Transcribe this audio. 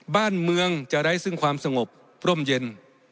บ้านเมืองจะไร้ซึ่งความสงบร่มเย็น